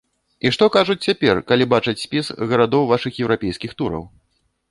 І што кажуць цяпер, калі бачаць спіс гарадоў вашых еўрапейскіх тураў?